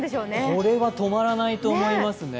これは止まらないと思いますね。